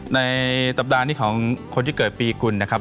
ในศัพท์ที่ของคนที่เกิดปีกุ่นนะครับ